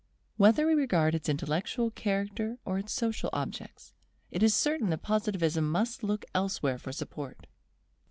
Whether we regard its intellectual character or its social objects, it is certain that Positivism must look elsewhere for support.